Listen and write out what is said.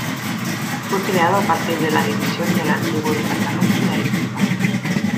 Fue creado a partir de la división del antiguo Departamento de Arequipa.